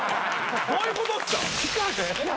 どういうことっすか？